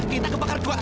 kita kebakar juga